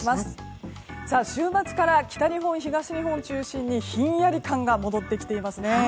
週末から北日本、東日本を中心にひんやり感が戻ってきていますね。